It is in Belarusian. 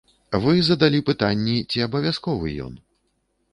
Вы задалі пытанні, ці абавязковы ён.